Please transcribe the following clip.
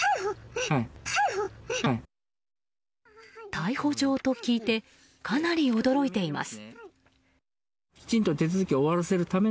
逮捕状と聞いてかなり驚いています。